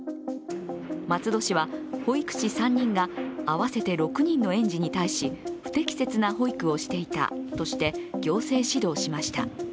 松戸市は、保育士３人が合わせて６人の園児に対し不適切な保育をしていたとして行政指導しました。